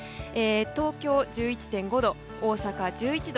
東京、１１．５度大阪、１１度。